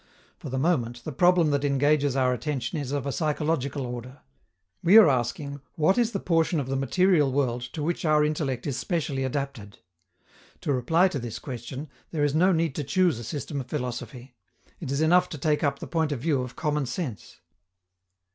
For the moment, the problem that engages our attention is of a psychological order. We are asking what is the portion of the material world to which our intellect is specially adapted. To reply to this question, there is no need to choose a system of philosophy: it is enough to take up the point of view of common sense.